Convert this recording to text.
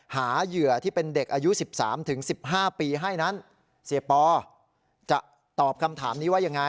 เหยื่อที่เป็นเด็กอายุ๑๓๑๕ปีให้นั้นเสียปอจะตอบคำถามนี้ว่ายังไง